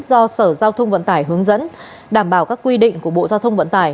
do sở giao thông vận tải hướng dẫn đảm bảo các quy định của bộ giao thông vận tải